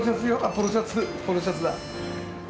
ポロシャツポロシャツだ。